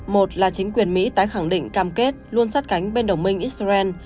một là chính quyền mỹ tái khẳng định cam kết luôn sát cánh bên đồng minh israel